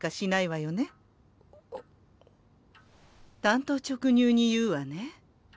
単刀直入に言うわね。